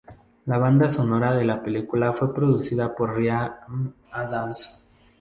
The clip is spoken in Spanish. La banda sonora de la película fue producida por Ryan Adams.